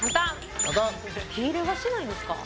火入れはしないんですか？